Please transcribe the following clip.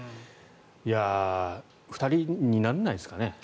２人にならないですかね。